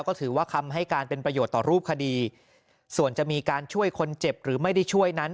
ก็ถือว่าคำให้การเป็นประโยชน์ต่อรูปคดีส่วนจะมีการช่วยคนเจ็บหรือไม่ได้ช่วยนั้น